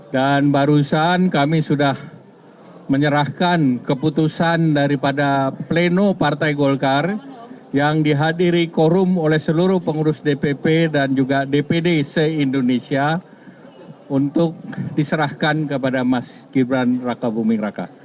dan barusan kami sudah menyerahkan keputusan daripada pleno partai golkar yang dihadiri korum oleh seluruh pengurus dpp dan juga dpdc indonesia untuk diserahkan kepada mas gibran raka buming raka